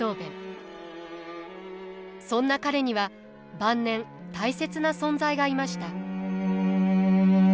そんな彼には晩年大切な存在がいました。